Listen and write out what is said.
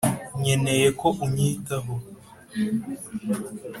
nkeneye ko unyitaho,